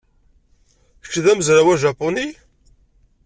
Kečč d amezraw ajapuni?